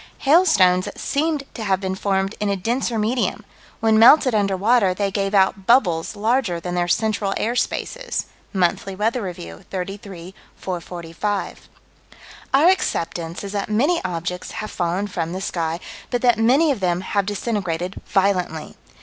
Hailstones that seemed to have been formed in a denser medium: when melted under water they gave out bubbles larger than their central air spaces. (Monthly Weather Review, 33 445.) Our acceptance is that many objects have fallen from the sky, but that many of them have disintegrated violently.